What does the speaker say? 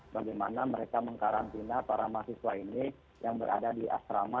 bagaimana mereka mengkarantina para mahasiswa ini yang berada di asrama